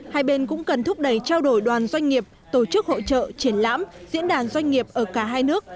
hai bên cũng cần thúc đẩy trao đổi đoàn doanh nghiệp tổ chức hội trợ triển lãm diễn đàn doanh nghiệp ở cả hai nước